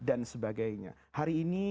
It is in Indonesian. dan sebagainya hari ini